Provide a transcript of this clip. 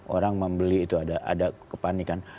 orang membeli itu ada kepanikan